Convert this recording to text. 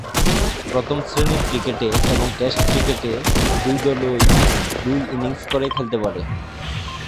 প্রথম শ্রেণীর ক্রিকেটে এবং টেস্ট ক্রিকেটে, দুই দলই দুই ইনিংস করে খেলতে পারে।